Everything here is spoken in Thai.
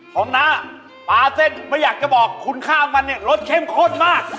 ของน้าปลาเส้นไม่อยากจะบอกคุณข้ามันนี่รสเข้มโคตรมาก